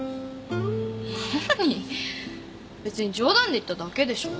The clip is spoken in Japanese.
別に冗談で言っただけでしょ。